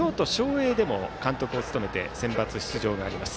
英でも監督を務めてセンバツ出場があります。